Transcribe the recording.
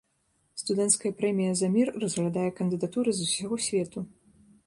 Студэнцкая прэмія за мір разглядае кандыдатуры з усяго свету.